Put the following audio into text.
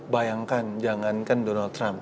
bayangkan jangankan donald trump